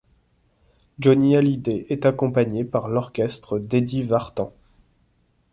Johnny Hallyday est accompagné par l'orchestre d'Eddie Vartan.